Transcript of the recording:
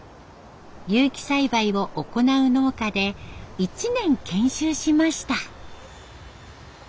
有機栽培を行う農家で１年研修しました。